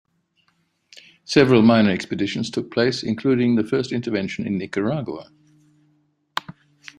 Several minor expeditions took place, including the first intervention in Nicaragua.